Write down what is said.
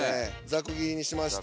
ざく切りにしまして。